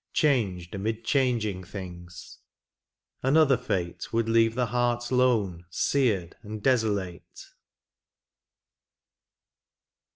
Changed amid changing things ; another fate Would leave the heart lone, seared, and desolate.